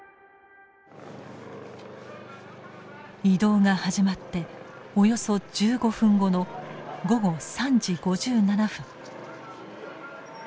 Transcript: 移動が始まっておよそ１５分後の午後３時５７分。